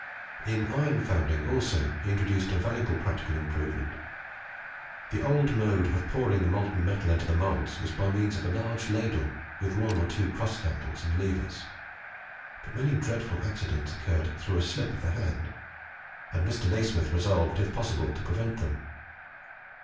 In iron founding also he introduced a valuable practical improvement. The old mode of pouring the molten metal into the moulds was by means of a large ladle with one or two cross handles and levers; but many dreadful accidents occurred through a slip of the hand, and Mr. Nasmyth resolved, if possible, to prevent them.